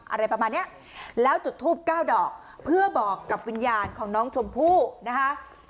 อะไรประมาณเนี้ยแล้วจุดทูบเก้าดอกเพื่อบอกกับวิญญาณของน้องชมพู่นะคะ